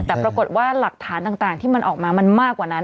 แต่ปรากฏว่าหลักฐานต่างที่มันออกมามันมากกว่านั้น